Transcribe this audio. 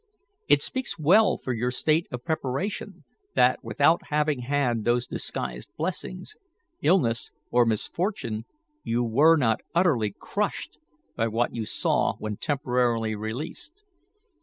It speaks well for your state of preparation that, without having had those disguised blessings, illness or misfortune, you were not utterly crushed by what you saw when temporarily released.